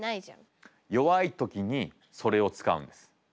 弱い時にそれを使うんです。